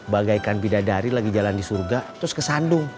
bagaikan bidadari lagi jalan di surga terus kesandung